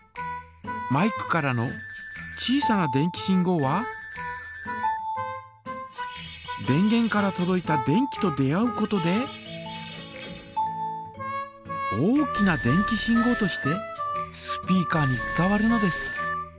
マイクからの小さな電気信号は電げんからとどいた電気と出合うことで大きな電気信号としてスピーカーに伝わるのです。